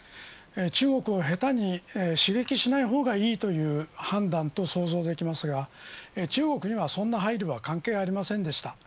中国を下手に刺激しない方がいいという判断と想像できますが中国にはそんな配慮は関係ありませんでした。